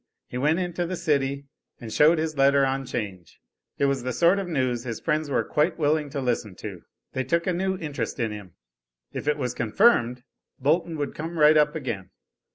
He went into the city, and showed his letter on change. It was the sort of news his friends were quite willing to listen to. They took a new interest in him. If it was confirmed, Bolton would come right up again.